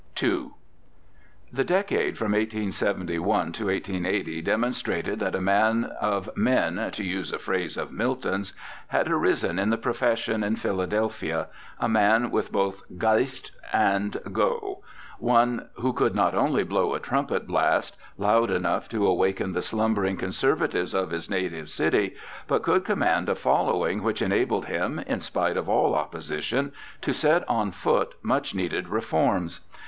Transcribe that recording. II The decade from 1871 80 demonstrated that a man of men, to use a phrase of Milton's, had arisen in the profession in Philadelphia, a man with both ' Geist and go ', one who could not only blow a trumpet blast loud enough to awaken the slumbering conservatives of his native city, but could command a following which enabled him, in spite of all opposition, to set on foot much needed reforms.